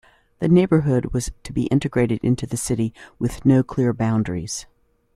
The neighbourhood was to be integrated into the city with no clear boundaries.